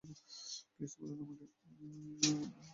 Please, বলুন আমাকে।